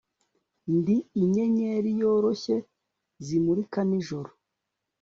Ndi inyenyeri yoroshye zimurika nijoro